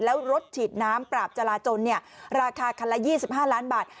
แล้วรถฉีดน้ำปราบจราจนราคาคันละ๒๕ล้านบาท